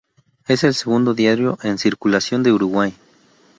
Es el segundo diario en circulación de Uruguay.